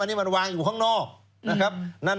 อันนี้มันวางอยู่ข้างนอกนะครับ